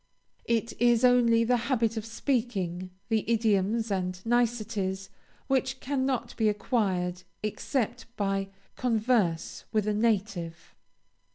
It is only the habit of speaking, the idioms and niceties, which cannot be acquired except by converse with a native.